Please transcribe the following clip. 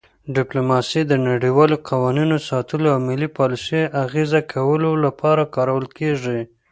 ډیپلوماسي د نړیوالو قوانینو ساتلو او ملي پالیسیو اغیزه کولو لپاره کارول کیږي